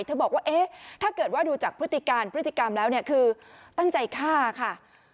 บอกว่าเอ๊ะถ้าเกิดว่าดูจากพฤติการพฤติกรรมแล้วเนี่ยคือตั้งใจฆ่าค่ะ